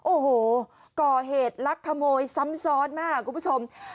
โอ้โหก่อเหตุลักขโมยซ้ำซ้อนมากคุณผู้ชม